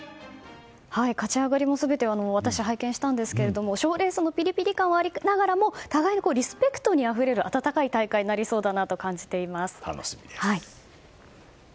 勝ち上がりも全て私、拝見したんですけど賞レースのピリピリ感はありながらも互いにリスペクトにあふれる温かい大会になりそうだと楽しみです。